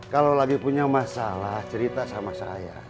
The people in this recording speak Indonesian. kalau lagi punya masalah cerita sama saya